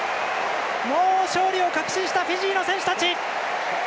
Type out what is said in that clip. もう勝利を確信したフィジーの選手たち！